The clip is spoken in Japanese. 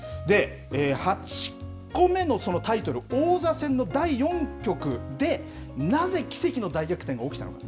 ８個目のタイトル、王座戦の第４局でなぜ奇跡の大逆転が起きたのか。